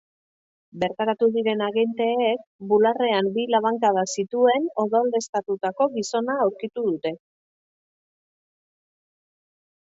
Bertaratu diren agenteek, bularrean bi labankada zituen odoleztatuko gizona aurkitu dute.